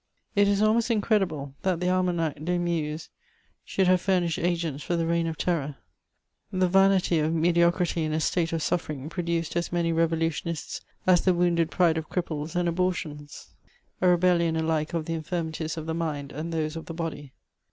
It is almost incredible that the Almanack des Muses should have fur nished agents for the reign of terror ; the vanity of medi ocrity in a state of suffering produced as many revolu tiomsts as the wounded pride of cripples and abortions; a rebellion alike of the infirmities of the mind and those of the body.